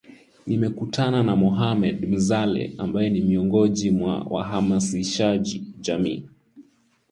Nimekutana na Mohamed Mzale ambaye ni miongoji mwa wahamasishaji jamii